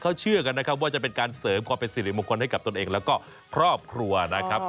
เขาเชื่อกันนะครับว่าจะเป็นการเสริมความเป็นสิริมงคลให้กับตนเองแล้วก็ครอบครัวนะครับ